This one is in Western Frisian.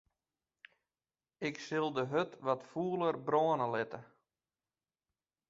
Ik sil de hurd wat fûler brâne litte.